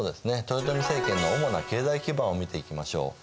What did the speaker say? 豊臣政権の主な経済基盤を見ていきましょう。